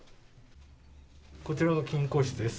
こちらが金庫室です。